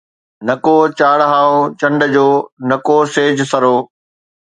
نڪو چاڙهائو چنڊ جو، نڪو سـِـج سرو